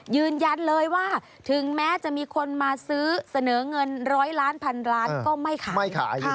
ยืนยันเลยว่าถึงแม้จะมีคนมาซื้อเสนอเงินร้อยล้านพันล้านก็ไม่ขายไม่ขาย